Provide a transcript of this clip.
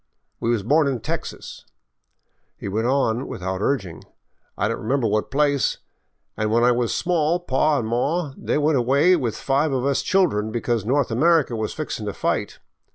We was born in Texas," he went on without urging. " I don't remember what place, an' when I was small paw an' maw they went away with five of us children because North America was fixin* to fight.